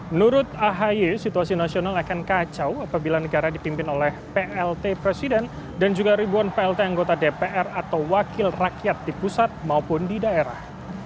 menurut ahy situasi nasional akan kacau apabila negara dipimpin oleh plt presiden dan juga ribuan plt anggota dpr atau wakil rakyat di pusat maupun di daerah